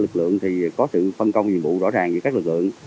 lực lượng có sự phân công nhiệm vụ rõ ràng về các lực lượng